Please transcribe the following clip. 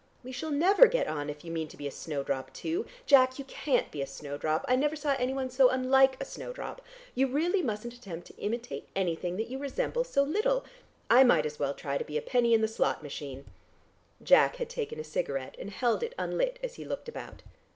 We shall never get on if you mean to be a snowdrop too! Jack, you can't be a snowdrop: I never saw anyone so unlike a snowdrop. You really mustn't attempt to imitate anything that you resemble so little. I might as well try to be a penny in the slot machine!" Jack had taken a cigarette and held it unlit as he looked about.